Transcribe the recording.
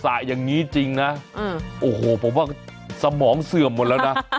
อย่างนี้จริงนะโอ้โหผมว่าสมองเสื่อมหมดแล้วนะ